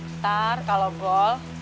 ntar kalau goal